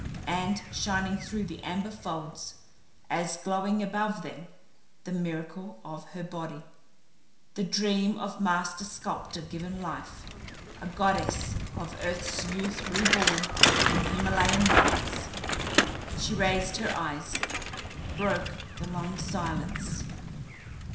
And shining through the amber folds, as glowing above them, the miracle of her body. The dream of master sculptor given life. A goddess of earth's youth reborn in Himalayan wilds. She raised her eyes; broke the long silence.